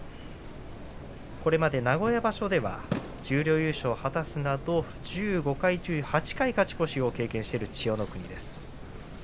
これまで名古屋場所では十両優勝を果たすなど１５回中８回勝ち越しを経験している千代の国です。